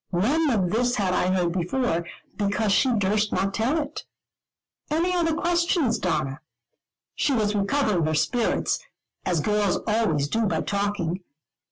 None of this had I heard before, because she durst not tell it. "Any other questions, Donna?" She was recovering her spirits, as girls always do by talking.